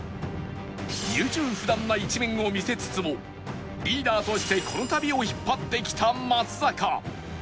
優柔不断な一面を見せつつもリーダーとしてこの旅を引っ張ってきた松坂